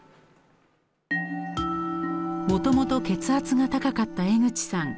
もともと血圧が高かった江口さん。